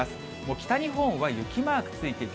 北日本は雪マークついてくる。